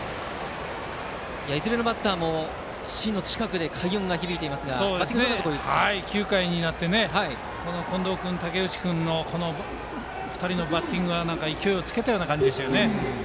いずれのバッターも芯の近くで９回になって近藤君、武内君２人のバッティングが勢いをつけたような感じです。